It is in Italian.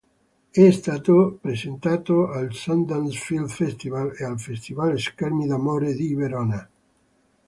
È stato presentato al Sundance Film Festival e al festival Schermi d'amore di Verona.